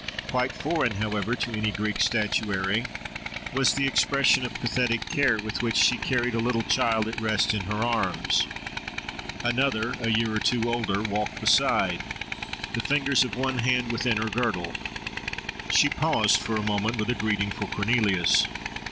Quite foreign, however, to any Greek statuary was the expression of pathetic care, with which she carried a little child at rest in her arms. Another, a year or two older, walked beside, the fingers of one hand within her girdle. She paused for a moment with a greeting for Cornelius.